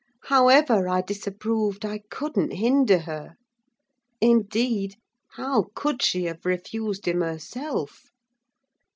However I disapproved, I couldn't hinder her: indeed, how could she have refused him herself?